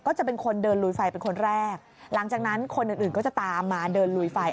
จะเป็นคนเดินลุยไฟเป็นคนแรกหลังจากนั้นคนอื่นอื่นก็จะตามมาเดินลุยไฟ